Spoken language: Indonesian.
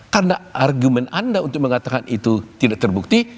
karena argumen anda untuk mengatakan itu tidak terbukti